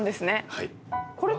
はい。